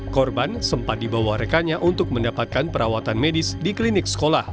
korban sempat dibawa rekannya untuk mendapatkan perawatan medis di klinik sekolah